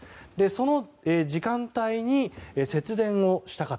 その時間帯に節電をした方